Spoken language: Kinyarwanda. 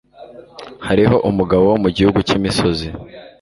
hariho umugabo wo mu gihugu cy imisozi